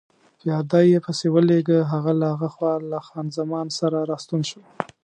پیاده يې پسې ولېږه، هغه له هاخوا له خان زمان سره راستون شو.